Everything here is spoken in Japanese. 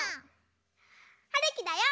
はるきだよ。